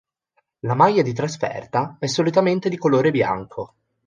La maglia di trasferta è solitamente di colore bianco.